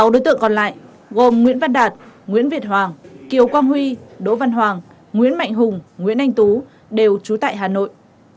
sáu đối tượng còn lại gồm nguyễn văn đạt nguyễn việt hoàng kiều quang huy đỗ văn hoàng nguyễn mạnh hùng nguyễn anh tú đều trú tại hà nội